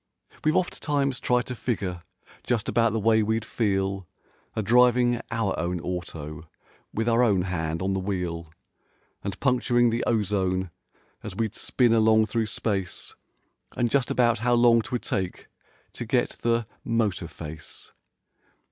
We've oft times tried to figure just about the way we'd feel A driving our own auto with our own hand on the wheel And puncturing the ozone as we'd spin along through space And just about how long 'twould take to get the "motor face."